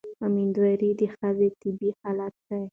مېندواري د ښځې طبیعي حالت دی.